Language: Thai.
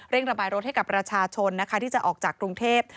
ระบายรถให้กับประชาชนนะคะที่จะออกจากกรุงเทพ